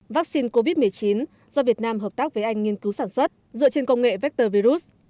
vaccine covid một mươi chín do việt nam hợp tác với anh nghiên cứu sản xuất dựa trên công nghệ vector virus